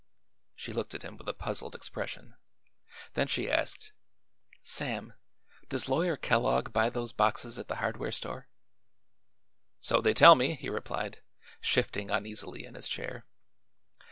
She looked at him with a puzzled expression. Then she asked: "Sam, does Lawyer Kellogg buy those boxes at the hardware store?" "So they tell me," he replied, shifting uneasily in his chair.